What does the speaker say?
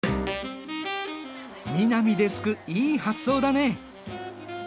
南デスクいい発想だね！